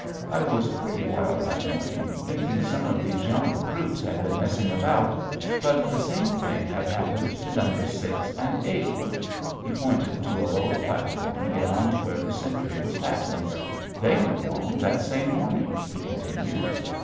I was pretty wild that morning, thinking some of these young recruits had been messing about, but the same thing had happened to number six and eight." He pointed to a lower platform, beyond where the sentry was passing. "They went wrong that same morning," he continued.